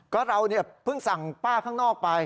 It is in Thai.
ก็เราเนี่ยเพิ่งสั่งป้าข้างนอกไป